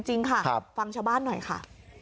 จริงค่ะฟังชาวบ้านหน่อยค่ะ